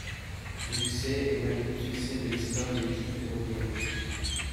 Ce succès est l'un des beaux succès de l'histoire de l'équipe européenne.